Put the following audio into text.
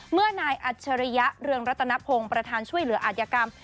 เมื่อนายอัจฉริยะเรืองรัตนพงศ์ประธานช่วยเหลืออาจยกรรม